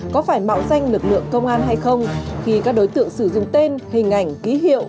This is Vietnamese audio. có phải mạo danh lực lượng công an hay không khi các đối tượng sử dụng tên hình ảnh ký hiệu